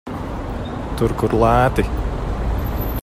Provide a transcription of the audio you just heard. Tur, kur lēti.